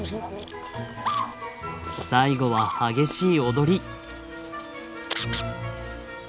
最後は激しい踊り！